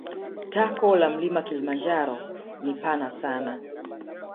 Tako la mlima kilimanjaro ni pana sana